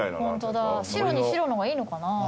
ホントだ白に白の方がいいのかな？